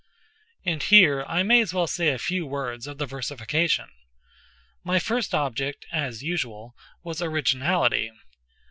And here I may as well say a few words of the versification. My first object (as usual) was originality.